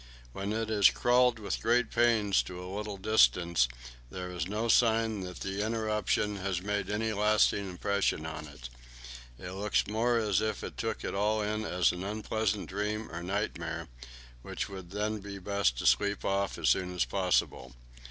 When it has crawled with great pains to a little distance, there is no sign that the interruption has made any lasting impression on it. It looks more as if it took it all as an unpleasant dream or nightmare, which it would be best to sleep off as soon as possible.